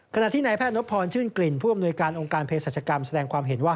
ขณะที่นายแพทย์นพรชื่นกลิ่นผู้อำนวยการองค์การเพศรัชกรรมแสดงความเห็นว่า